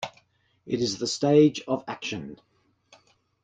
It is the stage of action.